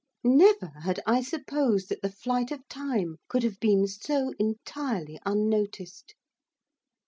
Never had I supposed that the flight of time could have been so entirely unnoticed.